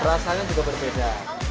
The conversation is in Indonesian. rasanya juga berbeda